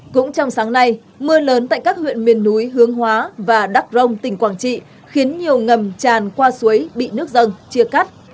cũng trong sáng nay mưa lớn tại các huyện miền núi hướng hóa và đắc rông tỉnh quảng trị khiến nhiều ngầm tràn qua suối bị nước dâng chia cắt